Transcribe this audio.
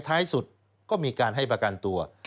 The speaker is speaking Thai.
ท้ายสุดก็มีการให้ประกันตัว